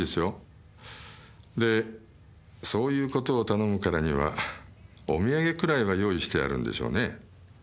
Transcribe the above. でそういう事を頼むからにはお土産くらいは用意してあるんでしょうね。